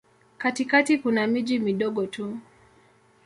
Katikati kuna miji midogo tu.